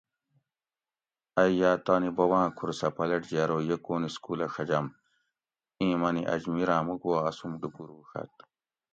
ائی یاۤ تانی بوباۤں کُھور سہ پلٹجی ارو یہ کون اسکولہ ڛجم؟ ایں منی اجمیراۤں موک وا اسوم ڈُوکوروڛۤت